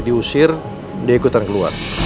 diusir dia ikutan keluar